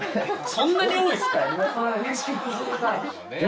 そんなに会うんですか？